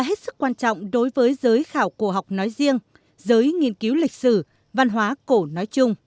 hết sức quan trọng đối với giới khảo cổ học nói riêng giới nghiên cứu lịch sử văn hóa cổ nói chung